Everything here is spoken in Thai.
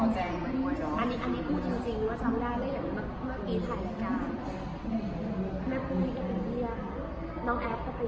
ช่วยชายหนูที่แกชอบให้แกแกไม่ได้จริงเลยหรอพี่โน้ย